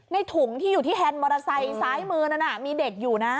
ถุงที่อยู่ที่แฮนด์มอเตอร์ไซค์ซ้ายมือนั้นมีเด็กอยู่นะ